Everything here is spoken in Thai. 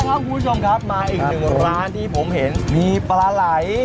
คุณผู้ชมครับมาอีกหนึ่งร้านที่ผมเห็นมีปลาไหล